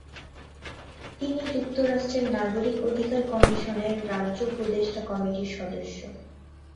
তিনি যুক্তরাষ্ট্রের নাগরিক অধিকার কমিশনের রাজ্য উপদেষ্টা কমিটির সদস্য।